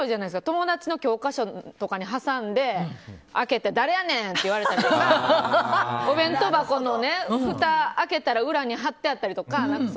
友達の教科書とかに挟んで開けて誰やねん！とか言われたりとかお弁当箱のふた開けたら裏に貼ってあったりとか。